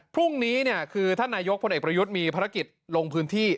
พรุ่งนี้คือท่านนายกพลเอกประยุทธ์มีภารกิจลงพื้นที่